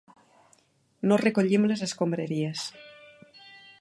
No recollim les escombraries.